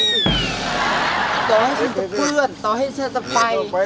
แต่ให้ฉันกับเพื่อนต่อให้ฉันจะไป